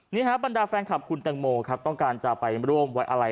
นี่ฮะบรรดาแฟนคลับคุณแตงโมครับต้องการจะไปร่วมไว้อะไร